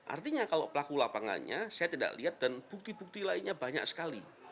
artinya kalau pelaku lapangannya saya tidak lihat dan bukti bukti lainnya banyak sekali